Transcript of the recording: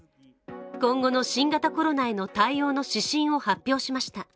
今後の新型コロナへの対応の指針を発表しました。